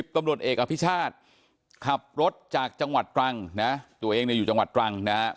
๑๐ตำรวจเอกอภิษฐาขับรถจากจังหวัดตรังตัวเองอยู่จังหวัดตรังนะ